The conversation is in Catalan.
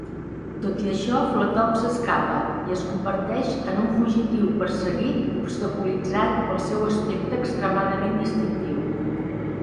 Tot i això, Flattop s'escapa i es converteix en un fugitiu perseguit obstaculitzat pel seu aspecte extremadament distintiu.